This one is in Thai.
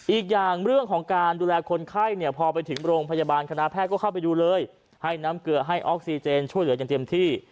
อีกอย่างเรื่องของการดูแลคนไข้เนี่ยพอไปถึงโรงพยาบาลคณะแพทย์ก็เข้าไปดูเลยให้น้ำเกลือให้ออกซีเจนช่วยเหลืออย่างเต็มที่